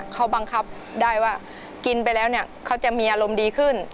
เขาบังคับได้ว่ากินไปแล้วเนี่ยเขาจะมีอารมณ์ดีขึ้น